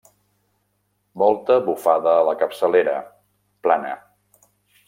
Volta bufada a la capçalera, plana.